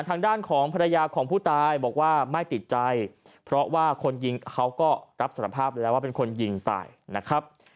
ทางด้านของภรรยาของผู้ตายบอกว่าไม่ติดใจเพราะว่าคนยิงเขาก็รับสารภาพแล้วว่าเป็นคนยิงตายนะครับ